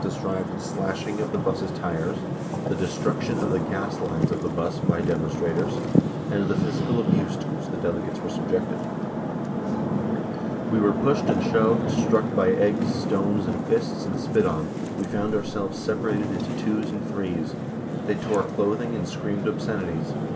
35 637 0 74 16 210 bus' tires, the destruction of the gas lines of the bus by the demon strators, and the physical abuse to which the delegates were subjected :we were pushed and shoved, struck by eggs, stones, and fists and spit on, we found ourselves separated into twos and threes. They tore clothing and screamed obscenities.